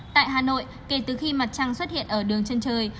tại hà nội kể từ khi mặt trăng xuất hiện ở đường chân trời